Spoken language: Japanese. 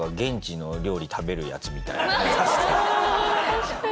確かに。